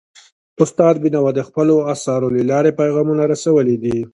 استاد بینوا د خپلو اثارو له لارې پیغامونه رسولي دي.